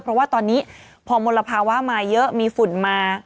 เพราะว่าตอนนี้พอมลภาวะมาเยอะมีฝุ่นมา